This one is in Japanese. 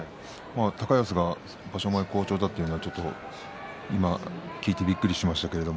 高安が場所前好調だというのは今聞いてびっくりしましたけど。